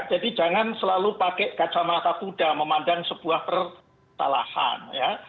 jadi jangan selalu pakai kacamata muda memandang sebuah persalahan